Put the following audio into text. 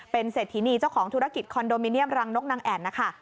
เป็นเศรษฐินีเจ้าของธุรกิจคอนโดมิเนียมรังนกนางแอ่นนะคะ